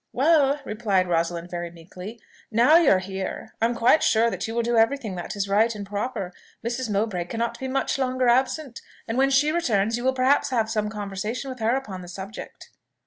"Well," replied Rosalind very meekly, "now you are here, I am quite sure that you will do every thing that is right and proper. Mrs. Mowbray cannot be much longer absent; and when she returns, you will perhaps have some conversation with her upon the subject."